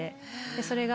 それが。